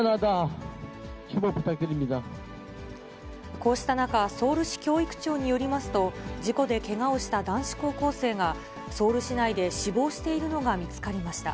こうした中、ソウル市教育庁によりますと、事故でけがをした男子高校生が、ソウル市内で死亡しているのが見つかりました。